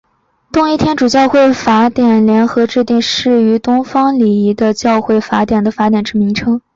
东仪天主教会法典联合制定适用于东方礼仪的教会法的法典之名称。